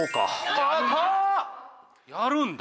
やるんだ。